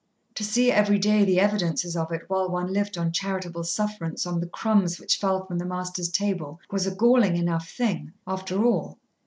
To see every day the evidences of it while one lived on charitable sufferance on the crumbs which fell from the master's table was a galling enough thing, after all.